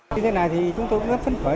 như thế này thì chúng tôi rất phân khởi